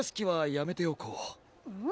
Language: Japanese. うん？